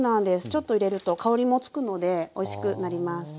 ちょっと入れると香りもつくのでおいしくなります。